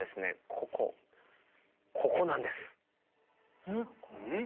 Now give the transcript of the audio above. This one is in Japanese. ここここなんです。